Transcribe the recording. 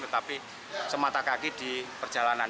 tetapi semata kaki di perjalanan